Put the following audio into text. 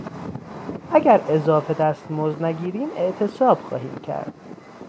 اگر اضافه دستمزد نگیریم اعتصاب خواهیم کرد.